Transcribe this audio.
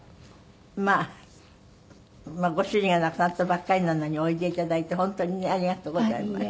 まあご主人が亡くなったばっかりなのにおいでいただいて本当にねありがとうございました。